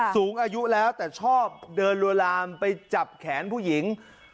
สูงอายุแล้วแต่ชอบเดินลัวลามไปจับแขนผู้หญิง